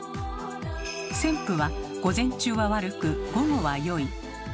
「先負」は午前中は悪く午後は良い。